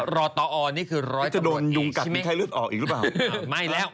หรอตออเนี่ยคือร้อยตำรวจเองใช่ไหมจะโดนยุงกัดติดไทยเลือดออกอีกหรือเปล่า